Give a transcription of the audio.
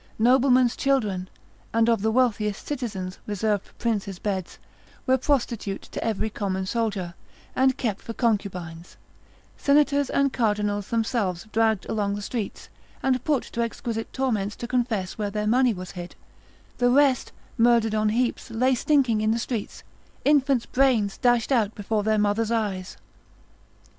Noblemen's children, and of the wealthiest citizens, reserved for princes' beds, were prostitute to every common soldier, and kept for concubines; senators and cardinals themselves dragged along the streets, and put to exquisite torments, to confess where their money was hid; the rest, murdered on heaps, lay stinking in the streets; infants' brains dashed out before their mothers' eyes.